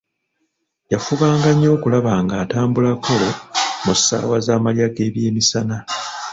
Yafubanga nnyo okulaba nga atambulako mu ssaawa z'amalya g'ebyemisana.